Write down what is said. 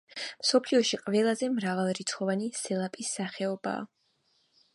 მსოფლიოში ყველაზე მრავალრიცხოვანი სელაპის სახეობაა.